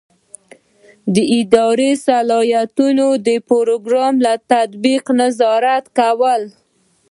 د اداري اصلاحاتو د پروګرام له تطبیق نظارت کول.